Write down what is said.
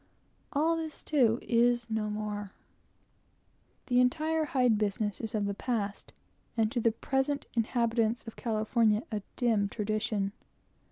All this, too, is no more! The entire hide business is of the past, and to the present inhabitants of California a dim tradition.